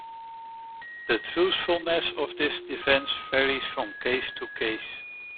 The truthfulness of this defence varies from case to case.